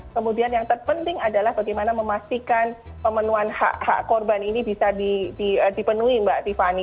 kemudian yang terpenting adalah bagaimana memastikan pemenuhan hak hak korban ini bisa dipenuhi mbak tiffany